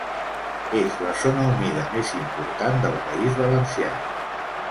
És la zona humida més important del País Valencià.